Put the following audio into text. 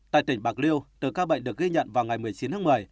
tại tỉnh bạc liêu từ ca bệnh được ghi nhận vào ngày một mươi chín tháng một mươi